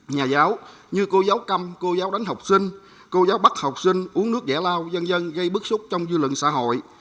nhà giáo như cô giáo căm cô giáo đánh học sinh cô giáo bắt học sinh uống nước dẻ lao dân dân gây bức xúc trong dư luận xã hội